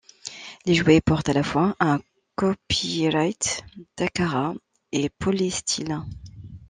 Les jouets portent à la fois un copyright Takara et Polistil.